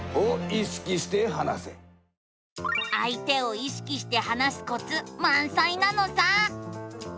あい手を意識して話すコツまんさいなのさ。